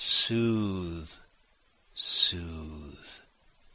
soothe! soothe!